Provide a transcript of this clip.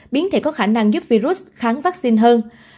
biến thể có khả năng giúp virus kháng vaccine hơn